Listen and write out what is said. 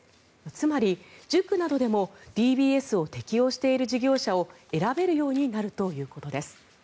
つまり塾などでもＤＢＳを適用している事業者を選べるようになるということです。